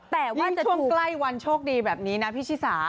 แต่ว่าจะช่วงใกล้วันโชคดีแบบนี้นะพี่ชิสา